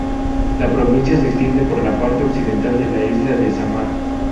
La provincia se extiende por la parte occidental de la Isla de Sámar.